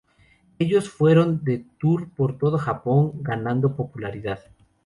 Ellos se fueron de tour por todo Japón ganando popularidad.